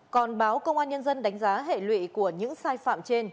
còn báo công an nhân dân đánh giá hệ lụy của những sai phạm trên